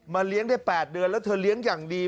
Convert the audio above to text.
เลี้ยงได้๘เดือนแล้วเธอเลี้ยงอย่างดี